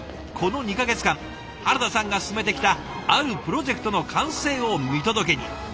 この２か月間原田さんが進めてきたあるプロジェクトの完成を見届けに。